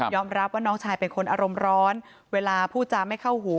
รับว่าน้องชายเป็นคนอารมณ์ร้อนเวลาพูดจาไม่เข้าหู